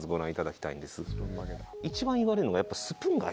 一番言われるのがやっぱり。